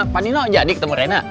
pak nino jadi ketemu rena